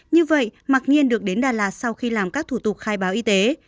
như vậy mặc nhiên được đến đà lạt sau khi làm các thủ tục khai báo y tế